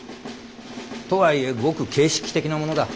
とはいえごく形式的なものだ。